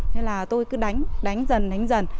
thế là tôi cứ đánh đánh dần đánh dần